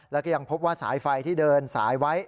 แล้วก็ยังพบว่าสายไฟที่เดินสายไว้